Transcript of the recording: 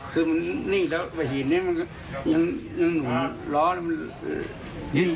คุณนี่แล้วเหนี้นนุ้นหล้ออยู่